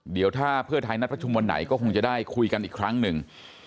เดี๋ยวถ้าเพื่อไทยนัดประชุมวันไหนก็คงจะได้คุยกันอีกครั้งหนึ่ง